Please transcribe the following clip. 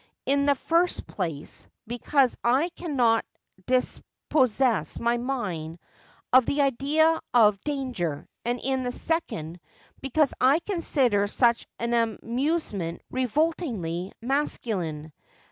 In the first place, because I cannot dispossess my mind of the idea of danger ; and in the second, because I consider such an amusement revoltingly masculine.